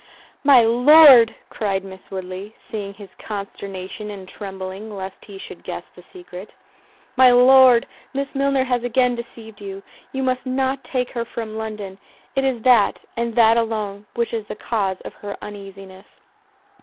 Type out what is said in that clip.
"My Lord," (cried Miss Woodley, seeing his consternation and trembling lest he should guess the secret,) "My Lord, Miss Milner has again deceived you—you must not take her from London—it is that, and that alone, which is the cause of her uneasiness."